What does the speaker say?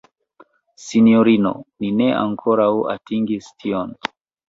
Sinjorino, ni ne ankoraŭ atingis tion!